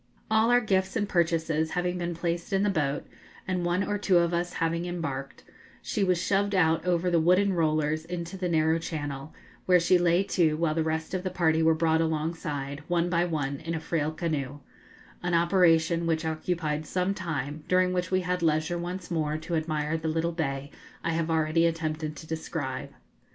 All our gifts and purchases having been placed in the boat, and one or two of us having embarked, she was shoved out over the wooden rollers into the narrow channel, where she lay to while the rest of the party were brought alongside, one by one, in a frail canoe an operation which occupied some time, during which we had leisure once more to admire the little bay I have already attempted to describe.